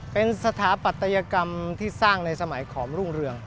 เป็นสถาปัตยกรรมที่สร้างในสมัยขอมรุ่งเรือง